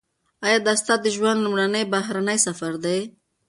ایا دا ستا د ژوند لومړنی بهرنی سفر دی؟